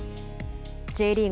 Ｊリーグ